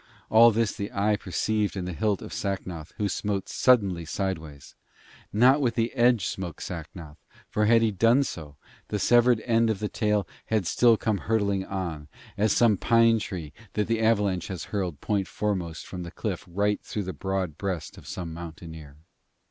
All this the eye perceived in the hilt of Sacnoth, who smote suddenly sideways. Not with the edge smote Sacnoth, for, had he done so, the severed end of the tail had still come hurtling on, as some pine tree that the avalanche has hurled point foremost from the cliff right through the broad breast of some mountaineer.